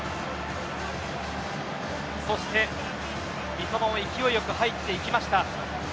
そして、三笘も勢い良く入っていきました。